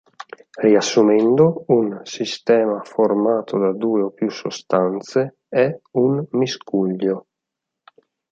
Riassumendo un sistema formato da due o più sostanze è un miscuglio.